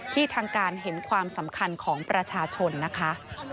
ทางการเห็นความสำคัญของประชาชนนะคะ